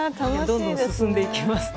どんどん進んでいきます。